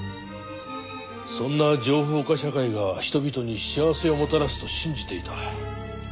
そんな情報化社会が人々に幸せをもたらすと信じていた。